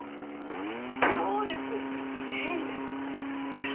そうです経理ですいやー